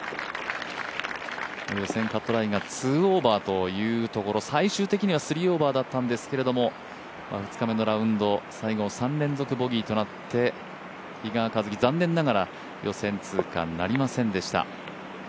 予選カットラインが２オーバーというところ、最終的には３オーバーだったんですけれども２日目のラウンド、最後３連続ボギーとなって比嘉君、残念ながら予選通過なりませんでした。